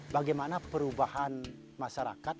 bagaimana perubahan masyarakat